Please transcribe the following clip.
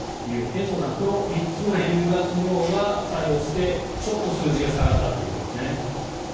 延増さん、この３つの理由が昨日は作用してちょっと数字が下がったということですね。